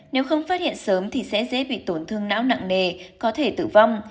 nếu không phát hiện sớm thì sẽ dễ bị tổn thương não nặng nề có thể tử vong